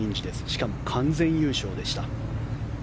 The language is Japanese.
しかも完全優勝でした。